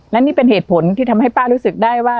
และนี่เป็นเหตุผลที่ทำให้ป้ารู้สึกได้ว่า